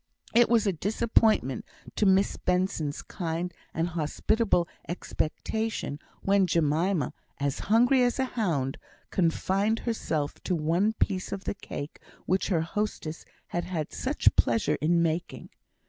It was a disappointment to Miss Benson's kind and hospitable expectation when Jemima, as hungry as a hound, confined herself to one piece of the cake which her hostess had had such pleasure in making.